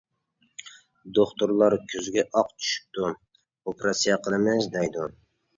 دوختۇرلار كۆزگە ئاق چۈشۈپتۇ، ئوپېراتسىيە قىلىمىز دەيدۇ.